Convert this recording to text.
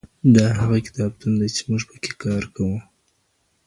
دا هغه کتابتون دئ چي موږ پکي کار کوو.